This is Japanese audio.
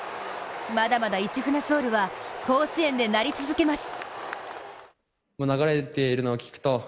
まだまだ「市船ｓｏｕｌ」は甲子園で鳴り続けます。